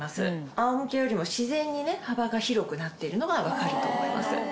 仰向けよりも自然に幅が広くなっているのが分かると思います。